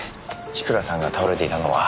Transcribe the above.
千倉さんが倒れていたのは。